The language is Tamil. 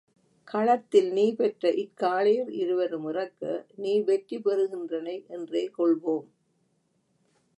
களத்தில் நீ பெற்ற இக் காளையர் இருவரும் இறக்க, நீ வெற்றி பெறுகின்றனை என்றே கொள்வோம்.